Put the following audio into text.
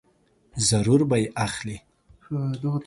ضرور به یې اخلې !